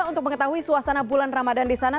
untuk mengetahui suasana bulan ramadan di sana